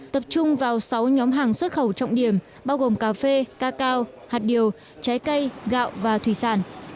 tập trung vào sáu nhóm hàng xuất khẩu trọng điểm bao gồm cà phê cacao hạt điều trái cây gạo và thủy sản